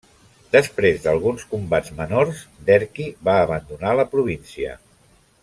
Després d'alguns combats menors, Derqui va abandonar la província.